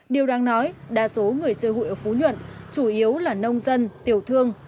điều đáng nói đa số người chơi hụi ở phú nhuận chủ yếu là nông dân tiểu thương